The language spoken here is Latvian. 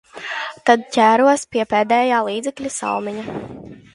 Tad ķēros pie pēdējā līdzekļa – salmiņa.